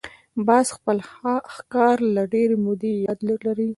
باز خپل ښکار له ډېرې مودې یاد لري